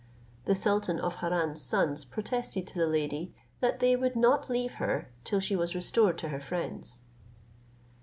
The sultan of Harran's sons protested to the lady, that they would not leave her till she was restored to her friends.